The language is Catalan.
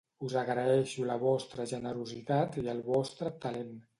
Us agraeixo la vostra generositat i el vostre talent.